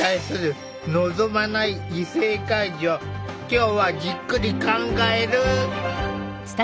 今日はじっくり考える！